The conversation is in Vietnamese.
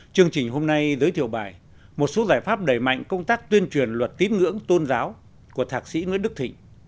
chương trình hôm nay giới thiệu bài một số giải pháp đẩy mạnh công tác tuyên truyền luật tín ngưỡng tôn giáo của thạc sĩ nguyễn đức thịnh